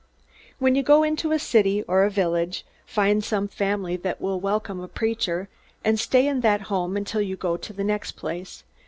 "When you go into a city or a village, find some family that will welcome a preacher; and stay in that home until you go to the next place.